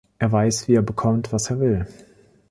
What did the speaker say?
Er weiß, wie er bekommt, was er will.